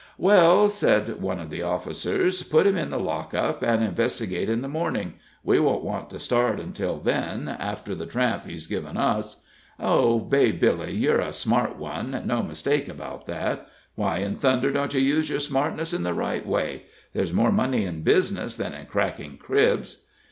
"Well," said one of the officers, "put him in the lock up' and investigate in the morning; we won't want to start until then, after the tramp he's given us. Oh, Bay Billy, you're a smart one no mistake about that. Why in thunder don't you use your smartness in the right way? there's more money in business than in cracking cribs."